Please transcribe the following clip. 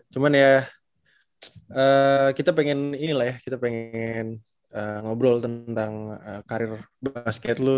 cuman ya kita pengen ini lah ya kita pengen ngobrol tentang karir basket lu ya